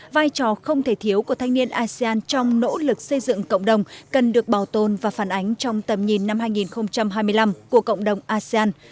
vai trò không thể thiếu của thanh niên asean trong nỗ lực xây dựng cộng đồng cần được bảo tồn và phản ánh trong tầm nhìn năm hai nghìn hai mươi năm của cộng đồng asean